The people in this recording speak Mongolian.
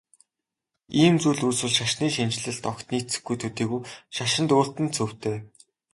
Ийм зүйл үүсвэл шашны шинэчлэлд огт нийцэхгүй төдийгүй шашинд өөрт нь цөвтэй.